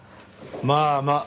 まあまあ。